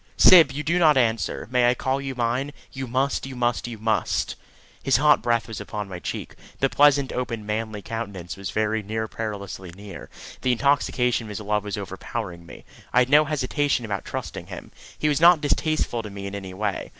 "Syb, you do not answer. May I call you mine? You must, you must, you must!" His hot breath was upon my cheek. The pleasant, open, manly countenance was very near perilously near. The intoxication of his love was overpowering me. I had no hesitation about trusting him. He was not distasteful to me in any way.